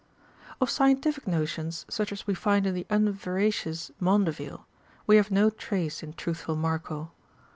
''* 69. Of scientific notions, such as we find in the unvera cious Maundevile, we have no trace in truthful Marco.